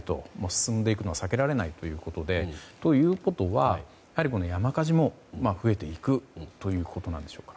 進んでいくのは避けられないと。ということはやはり山火事も増えていくということでしょうか。